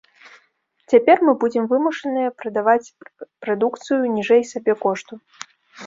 Цяпер мы будзем вымушаныя прадаваць прадукцыю ніжэй сабекошту.